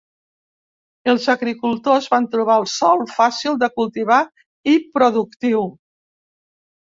Els agricultors van trobar el sòl fàcil de cultivar i productiu.